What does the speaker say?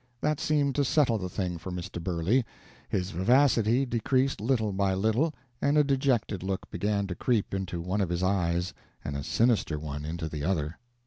That seemed to settle the thing for Mr. Burley; his vivacity decreased little by little, and a dejected look began to creep into one of his eyes and a sinister one into the other.